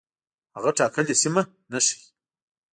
هغه ټاکلې سیمه نه ښيي.